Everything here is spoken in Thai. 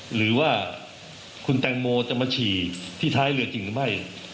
หรือว่าคุณแตงโมจะมาฉี่ที่ท้ายเรือจริงหรือไม่